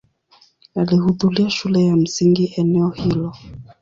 Alihudhuria shule ya msingi eneo hilo.